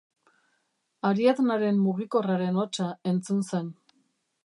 Ariadnaren mugikorraren hotsa entzun zen.